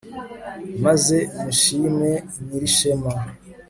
maze mushime nyirishema